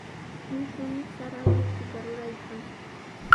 Llushumi sara llushtuta ruraykan.